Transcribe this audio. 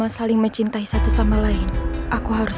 tidak tuhan tidak mau